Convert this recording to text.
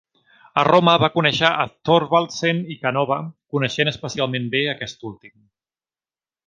A Roma va conèixer a Thorvaldsen i Canova, coneixent especialment bé aquest últim.